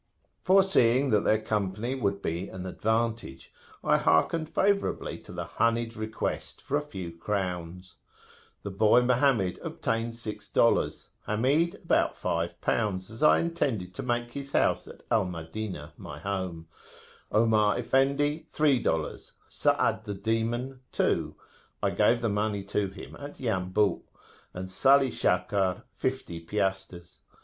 Foreseeing that their company would be an advantage, I hearkened favourably to the honeyed request for a few crowns. The boy Mohammed obtained six dollars; Hamid about five pounds, as I intended to make his house at Al Madinah my home; Omar Effendi three dollars; Sa'ad the Demon two I gave the money to him at Yambu', and Salih Shakkar fifty piastres.